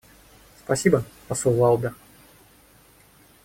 Спасибо, посол Лаубер.